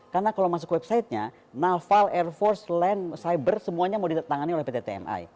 karena kalau masuk ke websitenya nalphal air force len cyber semuanya mau ditetangani oleh pt tmi